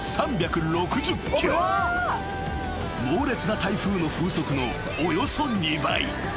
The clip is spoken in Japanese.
［猛烈な台風の風速のおよそ２倍］